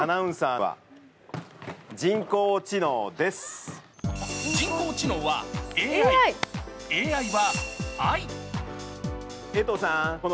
人工知能はＡＩ、「ＡＩ」はあい。